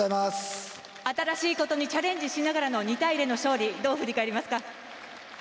新しいことにチャレンジしながらの２対０での勝利どう振り返りますか？